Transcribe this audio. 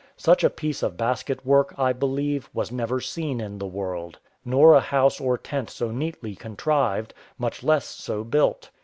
Such a piece of basket work, I believe, was never seen in the world, nor a house or tent so neatly contrived, much less so built.